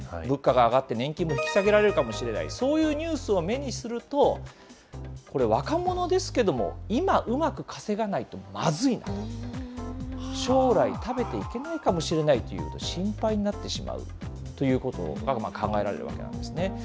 物価が上がって年金も引き下げられるかもしれない、そういうニュースを目にすると、これ、若者ですけれども、今うまく稼がないとまずいと、将来食べていけないかもしれないという、心配になってしまうということが考えられるわけなんですね。